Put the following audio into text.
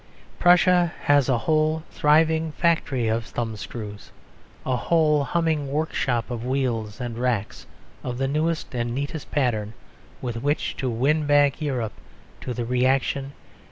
Prussia has a whole thriving factory of thumbscrews, a whole humming workshop of wheels and racks, of the newest and neatest pattern, with which to win back Europe to the Reaction